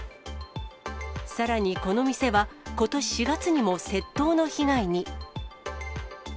さらにこの店は、ことし４月にも窃盗の被害に。